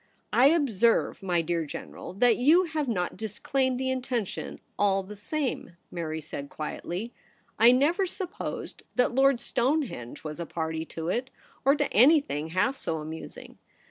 * I observe, my dear General, that you have not disclaimed the intention all the same/ Mary said quietly. ' I never supposed that Lord Stonehenge was a party to it, or to anything half so amusing.